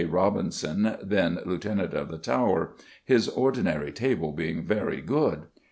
Robinson, then Lieutenant of the Tower, "his ordinary table being very good."